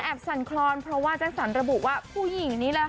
แต่แอบสั่นคลอนเพราะว่าเจ้าสันระบุว่าผู้หญิงนี่แหละฮะ